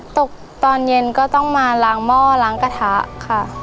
ตกตอนเย็นก็ต้องมาล้างหม้อล้างกระทะค่ะ